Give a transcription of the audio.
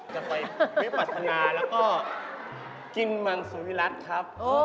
จะไปวิปัฒนาแล้วก็กินมังสุวิรัติครับ